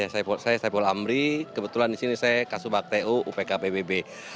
saya saiful amri kebetulan saya di sini saya kasu bakteu upk pbb